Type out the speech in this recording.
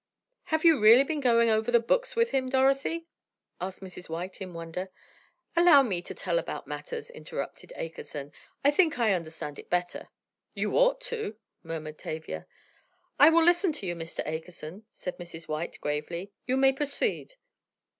"Have you really been going over the books with him, Dorothy?" asked Mrs. White, in wonder. "Allow me to tell about matters," interrupted Akerson. "I think I understand it better." "You ought to," murmured Tavia. "I will listen to you, Mr. Akerson," said Mrs. White, gravely. "You may proceed."